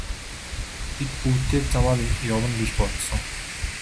Бид бүгд тэр замаар явна гэж би бодсон.